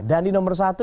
dan di nomor satu